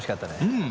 うん。